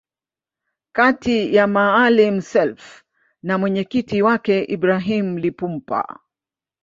kati ya Maalim Self na mwenyekiti wake Ibrahim Lipumba